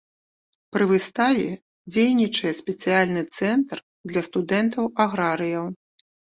Пры выставе дзейнічае спецыяльны цэнтр для студэнтаў-аграрыяў.